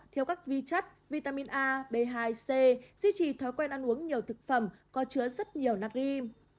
thiếu các vi chất vitamin a b hai c duy trì thói quen ăn uống nhiều thực phẩm có chứa rất nhiều natri